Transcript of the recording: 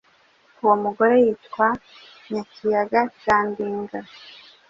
Uwo mugore yitwaga Nyakiyaga cya Ndinga.